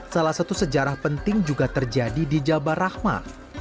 salah satu sejarah penting juga terjadi di jabal rahmah